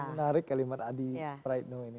menarik kalimat adi praetno ini